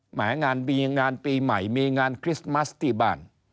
งานดีงานปีใหม่มีงานคริสต์มัสที่บ้าน